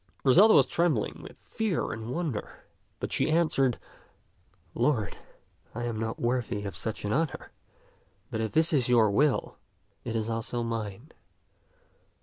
Griselda was trembling with fear and wonder, but she answered, " Lord, I am not worthy of such an honor; but if this is your will, it is also mine.